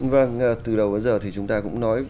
vâng từ đầu đến giờ thì chúng ta cũng nói